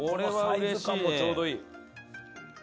サイズ感もちょうどいい。